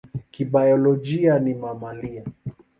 Kibiolojia ni mamalia.